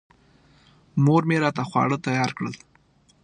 مور مې راته خواړه تیار کړل.